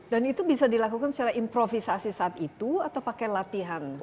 dan itu bisa dilakukan secara improvisasi saat itu atau pakai latihan